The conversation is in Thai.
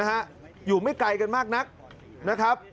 อยู่ไม่ไกลกันมากนักนะครับ